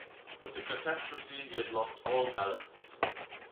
With the catastrophe he had lost all balance.